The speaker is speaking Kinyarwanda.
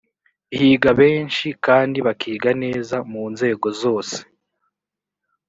higa benshi kandi bakiga neza mu nzego zose